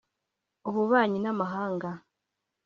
ububanyi n’amahanga